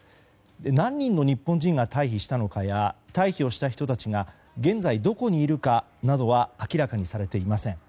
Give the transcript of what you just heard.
何人の日本人が退避したのかや退避をした人たちが現在どこにいるかなどは明らかにされていません。